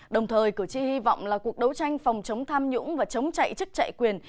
đồng thời cử tri hy vọng là cuộc đấu tranh phòng chống tham nhũng và chống chạy chức chạy quyền